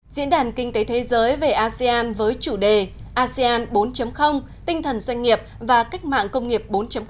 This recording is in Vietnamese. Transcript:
diễn đàn kinh tế thế giới về asean với chủ đề asean bốn tinh thần doanh nghiệp và cách mạng công nghiệp bốn